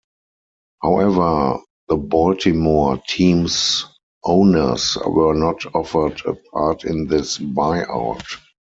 However, the Baltimore team's owners were not offered a part in this buyout.